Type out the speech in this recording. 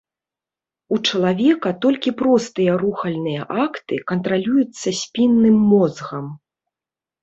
У чалавека толькі простыя рухальныя акты кантралююцца спінным мозгам.